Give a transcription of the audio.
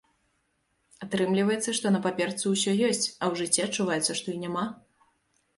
Атрымліваецца, што на паперцы ўсё ёсць, а ў жыцці адчуваецца, што і няма.